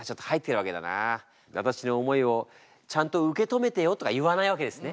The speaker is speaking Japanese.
「私の思慕いをちゃんと受け止めてよ」とか言わないわけですね。